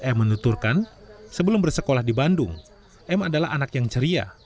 m menuturkan sebelum bersekolah di bandung m adalah anak yang ceria